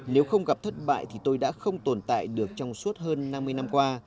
nếu không gặp thất bại thì tôi đã không tồn tại được trong suốt hơn năm mươi năm qua